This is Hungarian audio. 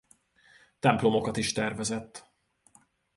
Templomokat is tervezett.